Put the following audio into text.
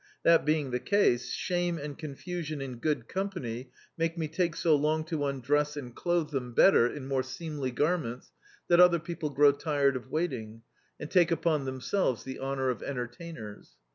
That being the case, shame and confusion in good company make me take so long to imdress and clothe them Do.icdt, Google Youth better, in more seemly garments, that other people grow tired of waiting and take upon themselves the honour of entertainers.